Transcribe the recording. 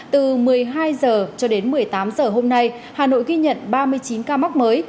từ một mươi hai h cho đến một mươi tám h hôm nay hà nội ghi nhận ba mươi chín ca mắc mới